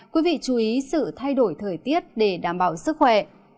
quý vị chú ý sự thay đổi thời tiết để đảm bảo sức khỏe